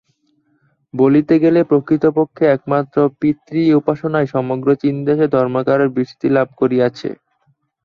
বলিতে গেলে প্রকৃতপক্ষে একমাত্র পিতৃ-উপাসনাই সমগ্র চীনদেশে ধর্মাকারে বিস্তৃতি লাভ করিয়াছে।